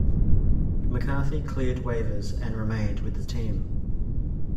McCarty cleared waivers and remained with the team.